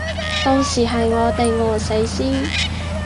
到時係我哋餓死先